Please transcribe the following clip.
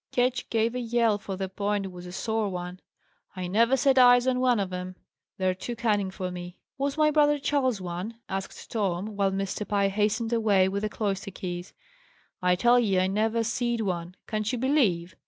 Ketch gave a yell, for the point was a sore one. "I never set eyes on one of 'em! They're too cunning for me." "Was my brother Charles one?" asked Tom, while Mr. Pye hastened away with the cloister keys. "I tell ye I never see'd one! Can't you believe?"